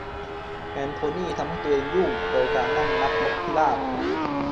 แอนโทนี่ทำให้ตัวเองยุ่งโดยการนั่งนับนกพิราบ